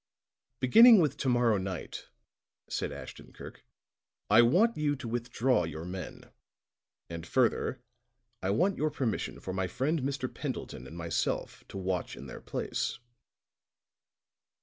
"Beginning with to morrow night," said Ashton Kirk, "I want you to withdraw your men. And further, I want your permission for my friend Mr. Pendleton and myself to watch in their place."